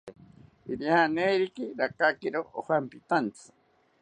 Irianeriki rakakiro ojampitaantzi